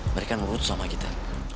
mereka merutus sama kita